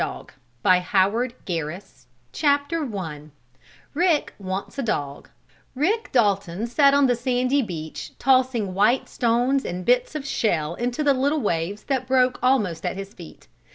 HAPPY DAYS 271 RICK AND RUDDY CHAPTER I RICK WANTS A DOG Rick Dalton sat on the sandy beach tossing white stones and bits of shell into the little waves that broke almost at his feet.